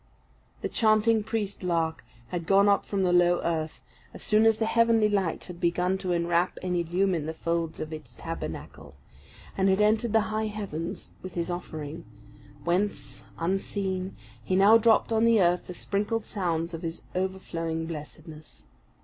The chanting priest lark had gone up from the low earth, as soon as the heavenly light had begun to enwrap and illumine the folds of its tabernacle; and had entered the high heavens with his offering, whence, unseen, he now dropped on the earth the sprinkled sounds of his overflowing blessedness.